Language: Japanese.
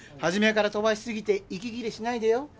初めから飛ばし過ぎて息切れしないでよ。